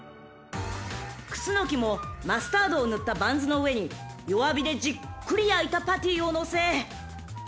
［楠もマスタードを塗ったバンズの上に弱火でじっくり焼いたパティをのせ］